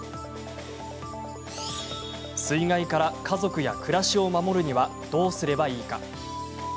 水害から家族や暮らしを守るにはどうすればいいか。